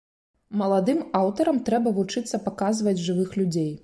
Маладым аўтарам трэба вучыцца паказваць жывых людзей.